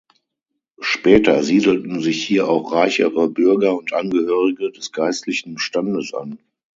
Später siedelten sich hier auch reichere Bürger und Angehörige des geistlichen Standes an.